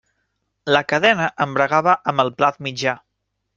La cadena embragava amb el plat mitjà.